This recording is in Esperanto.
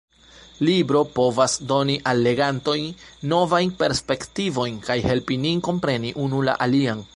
Libro povas doni al legantoj novajn perspektivojn kaj helpi nin kompreni unu la alian.